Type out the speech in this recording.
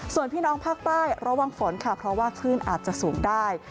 ส่วนพี่น้องภาคใต้ระวังฝนค่ะเพราะว่าคลื่นอาจจะสูงได้